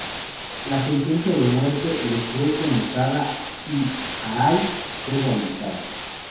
La sentencia de muerte le fue conmutada y Arai fue rehabilitado.